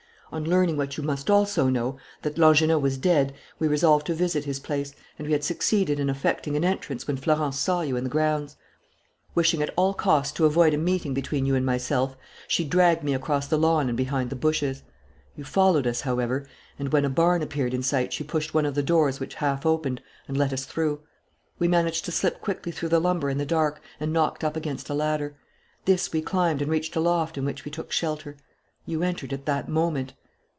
On learning what you must also know, that Langernault was dead, we resolved to visit his place, and we had succeeded in effecting an entrance when Florence saw you in the grounds. Wishing at all costs to avoid a meeting between you and myself, she dragged me across the lawn and behind the bushes. You followed us, however, and when a barn appeared in sight she pushed one of the doors which half opened and let us through. We managed to slip quickly through the lumber in the dark and knocked up against a ladder. This we climbed and reached a loft in which we took shelter. You entered at that moment....